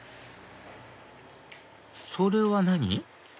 それは何？